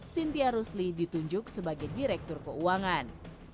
cynthia rusli ditunjuk sebagai direktur keuangan